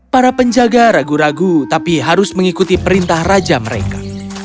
para penjaga ragu ragu tapi harus mengikuti perintah raja mereka